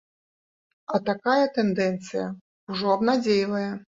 А такая тэндэнцыя ўжо абнадзейвае.